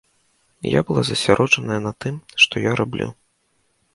Я была засяроджаная на тым, што я раблю.